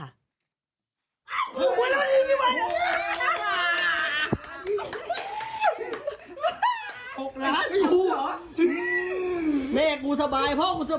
เฮ้ย